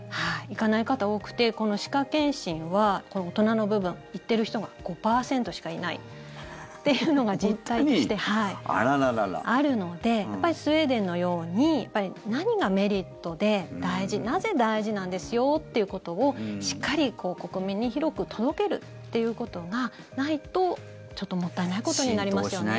行かない方、多くてこの歯科検診は大人の部分、行っている人が５％しかいないというのが実態としてあるのでやっぱりスウェーデンのように何がメリットでなぜ大事なんですよということをしっかり国民に広く届けるということがないとちょっともったいないことになりますよね。